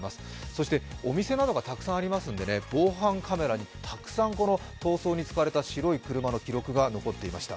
そしてお店などがたくさんありますんで防犯カメラ、たくさん逃走に使われた白い車の記録が残っていました。